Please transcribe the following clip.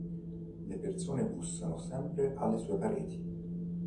Le persone bussano sempre alle sue pareti.